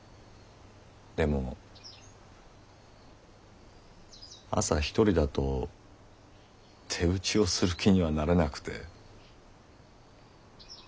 でも朝一人だと手打ちをする気にはなれなくて。